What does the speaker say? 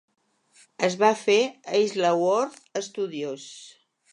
Es va fer a Isleworth Studios.